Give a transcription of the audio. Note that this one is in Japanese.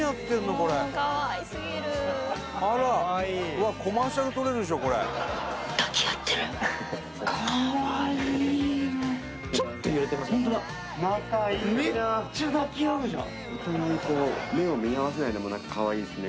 これかわいいわ目を見合わせないかわいいですね